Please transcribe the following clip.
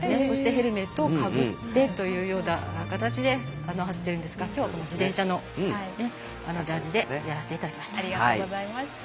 そしてヘルメットをかぶってというような形で走っているんですがきょうは、自転車のジャージでやらせていただきました。